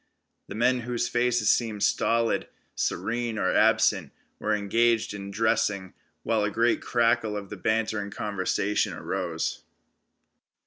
The men, whose faces seemed stolid, serene or absent, were engaged in dressing, while a great crackle of bantering conversation arose.